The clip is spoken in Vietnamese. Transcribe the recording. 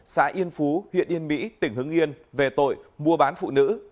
xã yên phú huyện yên mỹ tỉnh hưng yên về tội mua bán phụ nữ